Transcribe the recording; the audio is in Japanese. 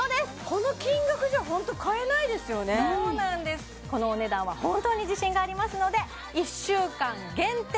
この金額じゃホント買えないですよねそうなんですこのお値段は本当に自信がありますので１週間限定